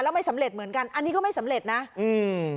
แล้วไม่สำเร็จเหมือนกันอันนี้ก็ไม่สำเร็จนะอืม